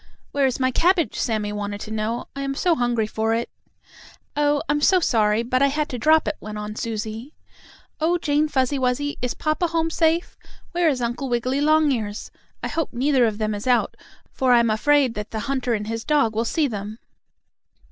"Where is my cabbage?" Sammie wanted to know. "I am so hungry for it." "Oh, I'm so sorry, but I had to drop it," went on Susie. "Oh, Jane Fuzzy Wuzzy, is papa home safe. Where is Uncle Wiggily Longears? I hope neither of them is out, for I'm afraid that hunter and his dog will see them."